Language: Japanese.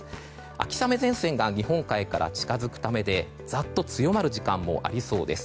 秋雨前線が日本海から近づくためでざっと強まる時間帯もありそうです。